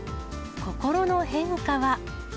心の変化は？